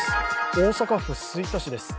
大阪府吹田市です。